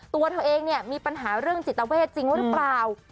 ตัวเธอเองเนี่ยมีปัญหาเรื่องจิตเวทจริงหรือเปล่า